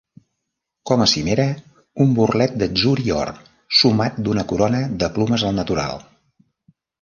Com a cimera, un borlet d'atzur i or somat d'una corona de plomes al natural.